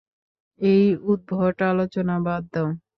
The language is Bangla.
এই উদ্ভট আলোচনা বাদ দাও।